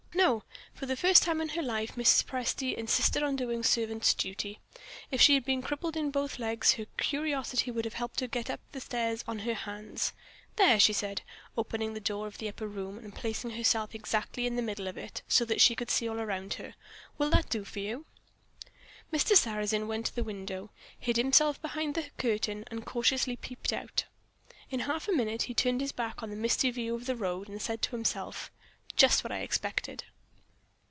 No. For the first time in her life Mrs. Presty insisted on doing servant's duty. If she had been crippled in both legs her curiosity would have helped her to get up the stairs on her hands. "There!" she said, opening the door of the upper room, and placing herself exactly in the middle of it, so that she could see all round her: "Will that do for you?" Mr. Sarrazin went to the window; hid himself behind the curtain; and cautiously peeped out. In half a minute he turned his back on the misty view of the road, and said to himself: "Just what I expected."